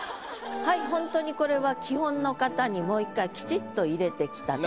ほんとにこれは基本の型にもう一回きちっと入れてきたと。